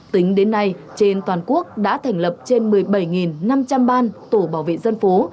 tính đến nay trên toàn quốc đã thành lập trên một mươi bảy năm trăm linh ban tổ bảo vệ dân phố